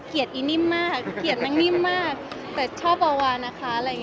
อีนิ่มมากเกลียดนางนิ่มมากแต่ชอบวาวานะคะอะไรอย่างนี้